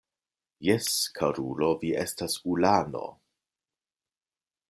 Jes, karulo, vi estas ulano.